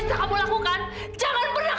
siapa sekarang kemax